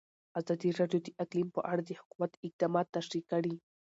ازادي راډیو د اقلیم په اړه د حکومت اقدامات تشریح کړي.